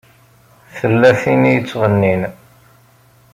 Tella tin i yettɣennin.